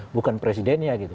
bukan presidennya gitu